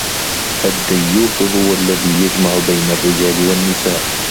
الدَّيُّوثُ هُوَ الَّذِي يَجْمَعُ بَيْنَ الرِّجَالِ وَالنِّسَاءِ